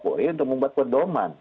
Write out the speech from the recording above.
untuk membuat pedoman